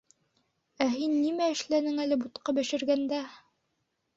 — Ә һин нимә эшләнең әле бутҡа бешергәндә?